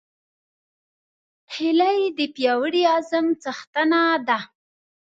هیلۍ د پیاوړي عزم څښتنه ده